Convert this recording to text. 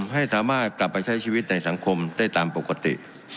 ให้สามารถกลับไปใช้ชีวิตในสังคมได้ตามปกติ